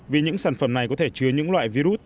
vì những sản phẩm này có thể chứa những loại virus